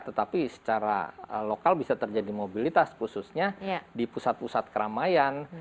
tetapi secara lokal bisa terjadi mobilitas khususnya di pusat pusat keramaian